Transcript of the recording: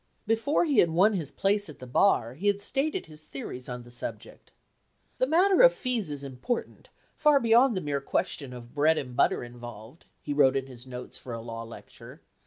Before he had won his place at the bar he had stated his theories on the subject. "The matter of fees is important, far beyond the mere question of bread and butter involved," he wrote in his notes for a law lecture.